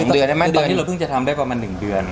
๒เดือนไม่ใช่มั้ยคือตอนนี้เราเพิ่งจะทำได้ประมาณ๑เดือน